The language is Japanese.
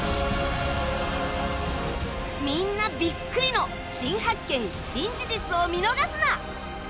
みんなビックリの新発見・新事実を見逃すな！